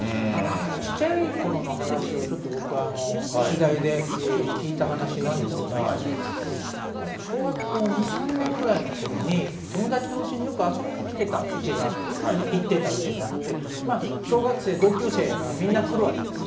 ちっちゃいころの話をちょっと僕は取材で聞いた話なんですが、小学校２、３年ぐらいのころに、友達のうちによく遊びに来てた、うちが、行ってたうちがあって、小学生、同級生がみんな来るわけですよ。